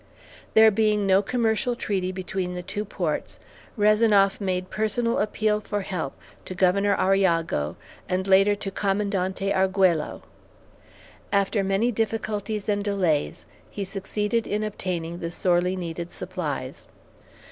There being no commercial treaty between the two ports, Rezanoff made personal appeal for help to Governor Arrillago, and later to Commandante Arguello. After many difficulties and delays, he succeeded in obtaining the sorely needed supplies.